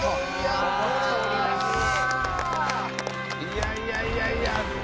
いやいやいやいや。